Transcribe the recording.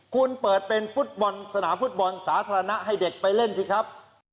คุณเปิดเป็นฟุตบอลสนามฟุตบอลสาธารณะให้เด็กไปเล่นสิครับ